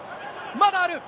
まだある。